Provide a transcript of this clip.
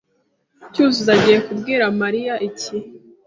Cyuzuzo agiye kubwira Mariya iki?